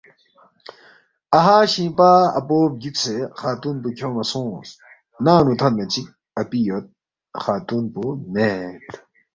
اَہا شِنگ پا اپو بگیُوکسے خاتُون پو کھیونگما سونگس، ننگ نُو تھونما چِک اپی یود، خاتون پو مید